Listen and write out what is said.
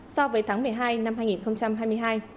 so với tháng một mươi hai năm hai nghìn hai mươi hai